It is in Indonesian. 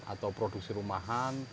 atau produksi rumahan